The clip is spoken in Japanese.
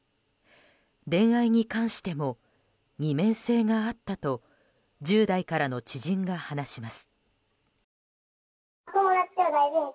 恋愛に関しても二面性があったと１０代からの知人が話します。